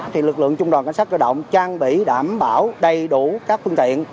thì lực lượng trung đoàn cảnh sát cơ động trang bị đảm bảo đầy đủ các phương tiện